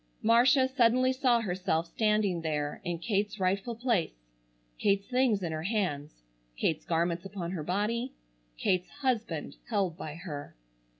Marcia suddenly saw herself standing there in Kate's rightful place, Kate's things in her hands, Kate's garments upon her body, Kate's husband held by her.